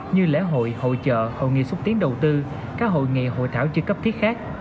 như lễ hội hội chợ hội nghị xúc tiến đầu tư các hội nghị hội thảo chưa cấp thiết khác